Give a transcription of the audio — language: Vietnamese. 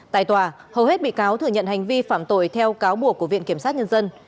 tại tòa hầu hết bị cáo thừa nhận hành vi phạm tội theo cáo buộc của viện kiểm sát nhân dân